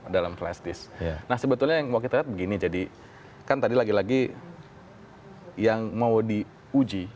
dalam flash disk nah sebetulnya yang mau kita lihat begini jadi kan tadi lagi lagi yang mau diuji